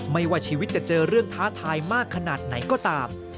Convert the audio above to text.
ไม่ว่าชีวิตจะเจอเรื่องท้าทายมากขนาดไหนก็ตาม